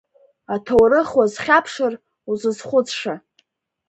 Аҭоурых уазхьаԥшыр, узызхәыцша…